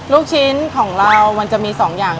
ลูกชิ้นของเรามันจะมี๒อย่าง